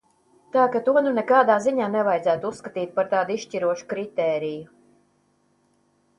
Tā ka to nu nekādā ziņā nevajadzētu uzskatīt par tādu izšķirošu kritēriju.